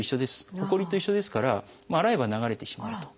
ほこりと一緒ですから洗えば流れてしまうと。